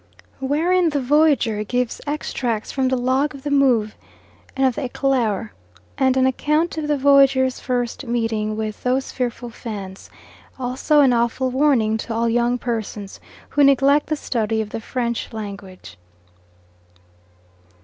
Wherein the voyager gives extracts from the Log of the Move and of the Eclaireur, and an account of the voyager's first meeting with "those fearful Fans," also an awful warning to all young persons who neglect the study of the French language.